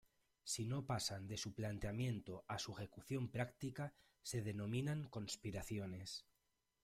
Si no pasan de su planeamiento a su ejecución práctica se denominan conspiraciones.